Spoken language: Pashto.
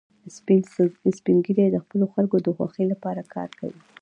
سپین ږیری د خپلو خلکو د خوښۍ لپاره کار کوي